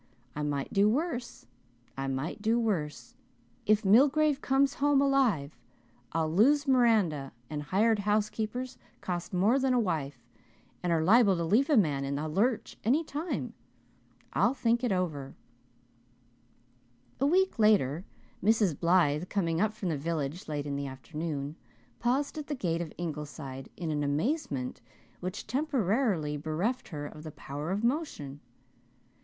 I might do worse I might do worse. If Milgrave comes home alive I'll lose Miranda and hired housekeepers cost more than a wife and are liable to leave a man in the lurch any time. I'll think it over." A week later Mrs. Blythe, coming up from the village late in the afternoon, paused at the gate of Ingleside in an amazement which temporarily bereft her of the power of motion.